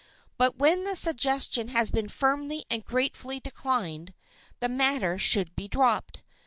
But when the suggestion has been firmly and gratefully declined, the matter should be dropped.